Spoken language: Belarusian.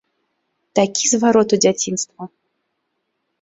Такі зварот у дзяцінства!